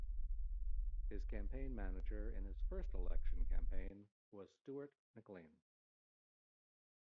His campaign manager in his first election campaign was Stuart McLean.